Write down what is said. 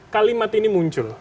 kalimat ini muncul